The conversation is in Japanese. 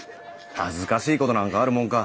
恥ずかしいことなんかあるもんか。